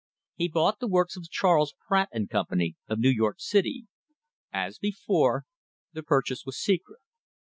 He bought the works of Charles Pratt and Company, of New York city. As before, the purchase was secret.